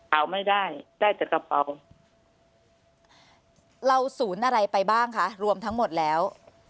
เอาไม่ได้ได้แต่กระเป๋าเราศูนย์อะไรไปบ้างคะรวมทั้งหมดแล้ว